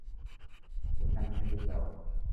এখান থেকে যাও।